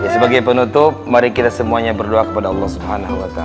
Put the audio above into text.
sebagai penutup mari kita semuanya berdoa kepada allah swt